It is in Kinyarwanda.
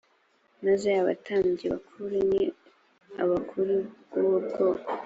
maze abatambyi bakuru n abakuru b ubwo bwoko